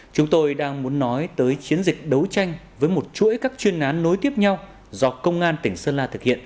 chúng tôi đang muốn nói tới chiến dịch đấu tranh với một chuỗi các chuyên nạn đấu tranh với một chuỗi các chuyên nạn đấu tranh với một chuỗi các chuyên nạn